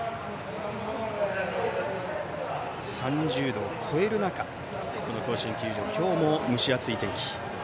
３０度を超える中、甲子園球場は今日も蒸し暑い天気。